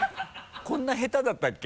こんな下手だったっけ？